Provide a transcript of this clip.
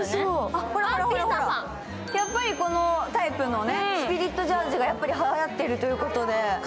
やっぱりこのタイプのスピリットジャージーがはやってるということで。